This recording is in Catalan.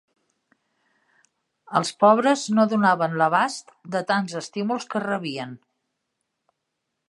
Els pobres no donaven l'abast de tants estímuls que rebien.